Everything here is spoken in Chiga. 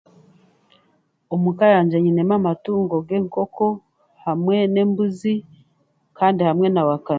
Omuka yangye nyinemu amatungo g'enkoko, hamwe n'embuzi kandi hamwe na wakame.